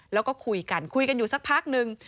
แล้วก็คุยกันคุยกันอยู่สักพักนึง